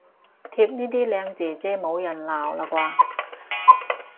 貼呢啲靚姐姐冇人鬧喇啩